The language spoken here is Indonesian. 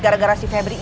gara gara si ferry